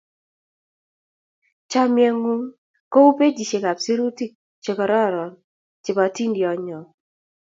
Chomye ng'ung' kou pejisyek ap sirutik che kororon che po atindyo nyon.